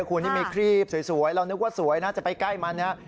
คุณนี่มีครีบสวยเรานึกว่าสวยนะจะไปใกล้มันนะครับ